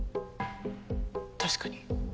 確かに。